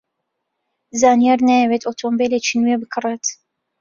زانیار نایەوێت ئۆتۆمۆبیلێکی نوێ بکڕێت.